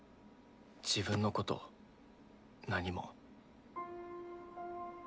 自分のこと何も。